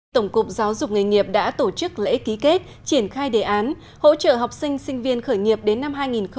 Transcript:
tổng cục giáo dục nghề nghiệp đã tổ chức lễ ký kết triển khai đề án hỗ trợ học sinh sinh viên khởi nghiệp đến năm hai nghìn hai mươi